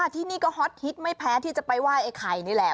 ที่นี่ก็ฮอตฮิตไม่แพ้ที่จะไปไหว้ไอ้ไข่นี่แหละ